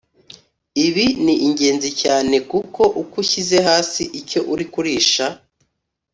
ibi ni ingenzi cyane kuko uko ushyize hasi icyo uri kurisha